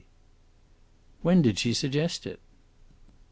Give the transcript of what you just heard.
"When did she suggest it?"